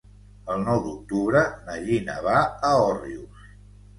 El nou d'octubre na Gina va a Òrrius.